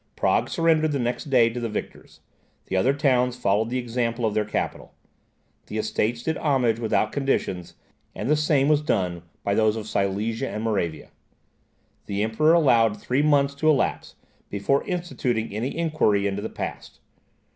Prague surrendered the next day to the victors; the other towns followed the example of the capital. The Estates did homage without conditions, and the same was done by those of Silesia and Moravia. The Emperor allowed three months to elapse, before instituting any inquiry into the past.